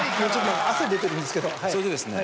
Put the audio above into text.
それでですね